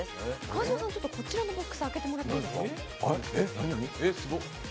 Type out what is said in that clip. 川島さん、こちらのボックス開けてもらっていいですか？